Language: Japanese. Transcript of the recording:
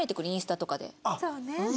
そうね。